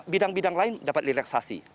bidang bidang lain dapat relaksasi